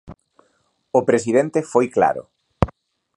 O presidente foi claro.